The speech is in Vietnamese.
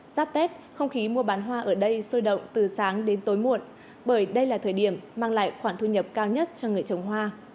giáp tết không khí mua bán hoa ở đây sôi động từ sáng đến tối muộn bởi đây là thời điểm mang lại khoản thu nhập cao nhất cho người trồng hoa